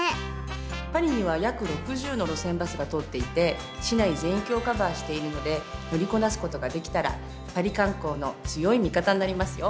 パリには約６０の路線バスが通っていて市内全域をカバーしているので乗りこなす事ができたらパリ観光の強い味方になりますよ。